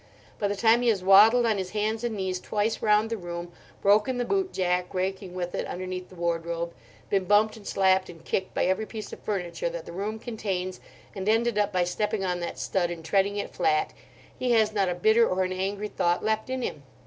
By the time he has waddled on his hands and knees twice round the room, broken the boot jack raking with it underneath the wardrobe, been bumped and slapped and kicked by every piece of furniture that the room contains, and ended up by stepping on that stud and treading it flat, he has not a bitter or an angry thought left in him.